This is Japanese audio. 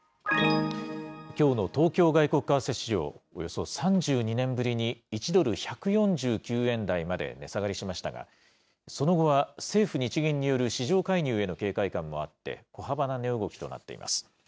きょうの東京外国為替市場、およそ３２年ぶりに１ドル１４９円台まで値下がりしましたが、その後は政府・日銀による市場介入への警戒感もあって、小幅な値動きとなっています。